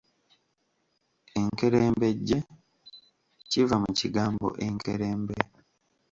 Enkerembejje kiva mu kigambo Enkerembe.